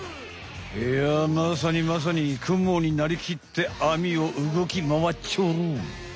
いやまさにまさにクモになりきって網を動き回っちょる。